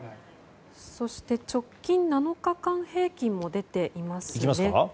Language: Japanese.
そして直近７日間平均も出ています。